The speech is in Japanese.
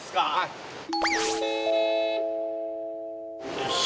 よし。